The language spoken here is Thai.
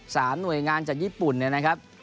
หน่วยงานจากญี่ปุ่นเนี่ยนะครับ